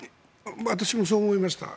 私もそう思いました。